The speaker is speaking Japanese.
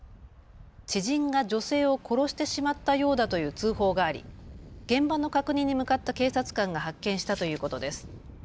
知人が女性を殺してしまったようだという通報があり現場の確認に向かった警察官が発見したということです。